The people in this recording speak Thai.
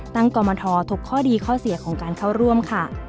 กรมททุกข้อดีข้อเสียของการเข้าร่วมค่ะ